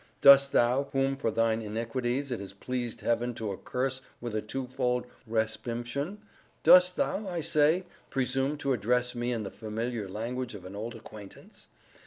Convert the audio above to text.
—dost thou, whom for thine iniquities it has pleased heaven to accurse with a two fold respimtion—dost thou, I say, presume to address me in the familiar language of an old acquaintance?